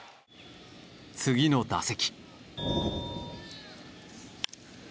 次の打席。